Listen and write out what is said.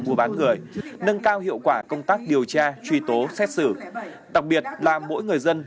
mua bán người nâng cao hiệu quả công tác điều tra truy tố xét xử đặc biệt là mỗi người dân